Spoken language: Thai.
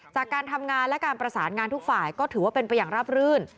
จากการทำงานและการประสานงานทุกฝ่ายก็ถือว่าเป็นไปอย่างราบรื่น